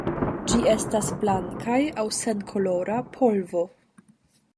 Ĝi estas blankaj aŭ senkolora polvo.